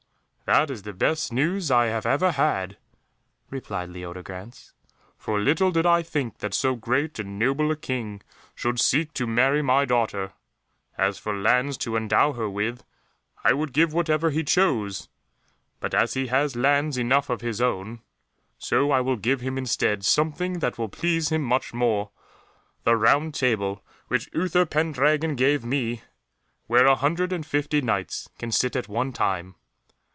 "That is the best news I have ever had," replied Leodegrance, "for little did I think that so great and noble a King should seek to marry my daughter. As for lands to endow her with, I would give whatever he chose; but he has lands enough of his own, so I will give him instead something that will please him much more, the Round Table which Uther Pendragon gave me, where a hundred and fifty Knights can sit at one time.